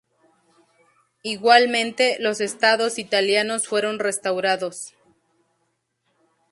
Igualmente, los estados italianos fueron restaurados.